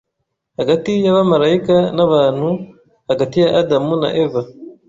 hagati yabamarayika nabantu hagati ya Adamu na Eva